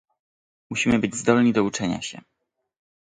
musimy być zdolni do uczenia się